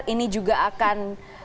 ini juga akan